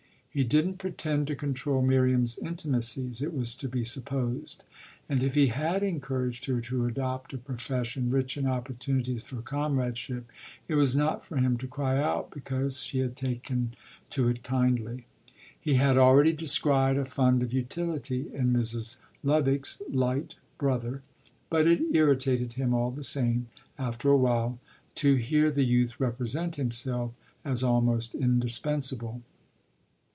He didn't pretend to control Miriam's intimacies, it was to be supposed; and if he had encouraged her to adopt a profession rich in opportunities for comradeship it was not for him to cry out because she had taken to it kindly. He had already descried a fund of utility in Mrs. Lovick's light brother; but it irritated him, all the same, after a while, to hear the youth represent himself as almost indispensable.